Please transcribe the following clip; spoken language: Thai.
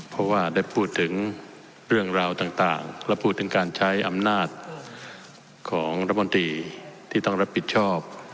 เพราะว่าได้พูดถึงเรื่องราวต่างและพูดถึงการใช้อำนาจของรัฐมนตรีที่ต้องรับผิดชอบ